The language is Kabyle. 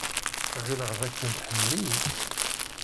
Ɣileɣ dakken tḥemmel-iyi.